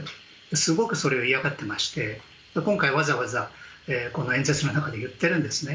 すごくそれを嫌がっていまして今回、わざわざこの演説の中で言っているんですね。